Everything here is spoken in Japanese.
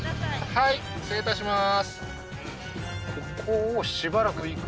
はい失礼いたします